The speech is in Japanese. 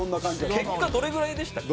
結果どれぐらいでしたっけ？